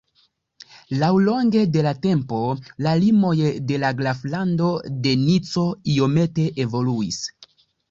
Laŭlonge de la tempo, la limoj de la graflando de Nico iomete evoluis.